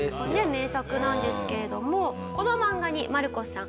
名作なんですけれどもこの漫画にマルコスさん